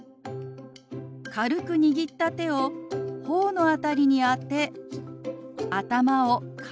軽く握った手を頬の辺りに当て頭を軽くふります。